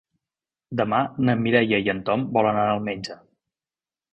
Demà na Mireia i en Tom volen anar al metge.